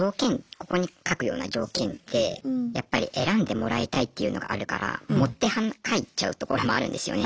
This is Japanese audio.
ここに書くような条件ってやっぱり選んでもらいたいっていうのがあるから盛って書いちゃうところもあるんですよね。